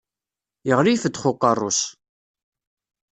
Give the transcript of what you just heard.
Yeɣli ifeddex uqerru-s!